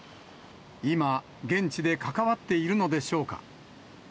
今、現地で関わっているのでしょうか。